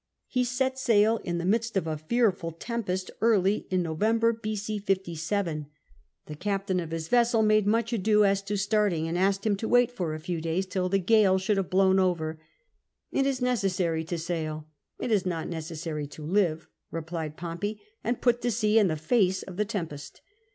He set sail in the midst of a fearful tempest early in November B.c. 57. The captain of his vessel made much ado as to starting, and asked him to wait for a few days till the gale should have blown over. It is necessary to sail, it is not necessary to live,'^ replied Pompey, and put to sea in the face of the tempest.